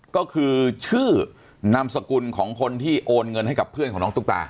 ก็คือชื่อนามสกุลของคนที่โอนเงินให้กับเพื่อนของน้องตุ๊กตา